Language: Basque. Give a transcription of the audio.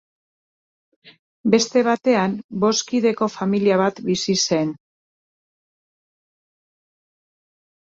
Beste batean bost kideko familia bat bizi zen.